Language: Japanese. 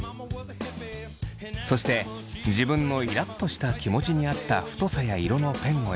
そして自分のイラっとした気持ちに合った太さや色のペンを選び